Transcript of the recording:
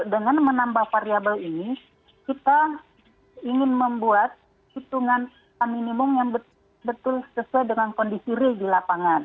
dengan menambah variable ini kita ingin membuat hitungan minimum yang betul sesuai dengan kondisi real di lapangan